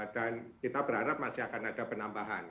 dan kita berharap masih akan ada penambahan